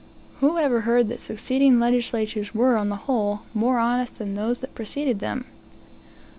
Who ever heard that succeeding legislatures were, on the whole, more honest than those that preceded them?